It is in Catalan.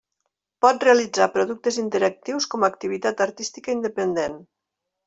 Pot realitzar productes interactius com a activitat artística independent.